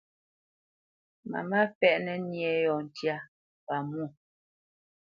Mamá fɛ́ʼnǝ nyé yɔ̂ ntyá pamwô.